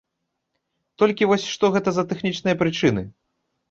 Толькі вось, што гэта за тэхнічныя прычыны?